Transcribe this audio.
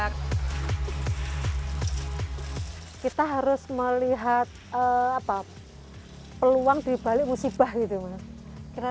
kita harus melihat peluang dibalik musibah gitu mas